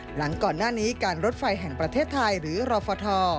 หลังก่อนหน้านี้การรถไฟแห่งประเทศไทยหรือรฟท